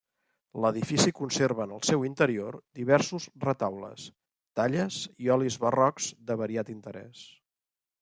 L'edifici conserva en el seu interior diversos retaules, talles i olis barrocs de variat interès.